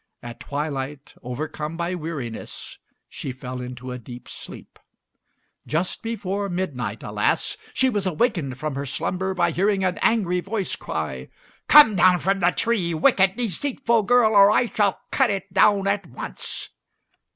At twilight, overcome by weariness, she fell into a deep sleep. Just before midnight, alas, she was awakened from her slumber by hearing an angry voice cry, "Come down from the tree, wicked, deceitful girl, or I shall cut it down at once!"